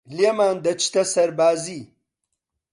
لێمان دەچتە سەربانی